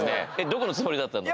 どこのつもりだったの？